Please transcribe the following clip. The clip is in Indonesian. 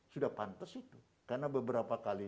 sudah pantes itu karena beberapa kali